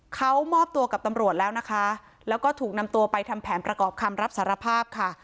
เขามอบตัวกับตำรวจแล้วนะคะแล้วก็ถูกนำตัวไปทำแผนประกอบคำรับสารภาพค่ะ